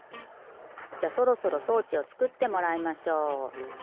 じゃそろそろ装置をつくってもらいましょう。